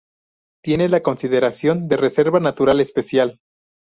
Tiene la consideración de reserva natural especial.